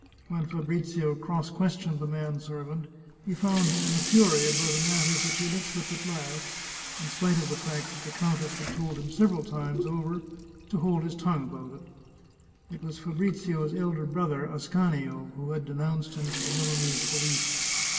When Fabrizio cross questioned the man servant, he found him in a fury about a matter which he let slip at last, in spite of the fact that the countess had told him several times over to hold his tongue about it. It was Fabrizio's elder brother, Ascanio, who had denounced him to the Milanese police.